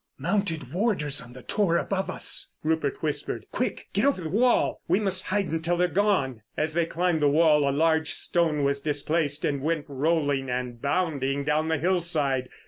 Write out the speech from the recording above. "Mounted warders on the tor above us," Rupert whispered. "Quick, get over the wall! We must hide until they're gone." As they climbed the wall a large stone was displaced and went rolling and bounding down the hill side.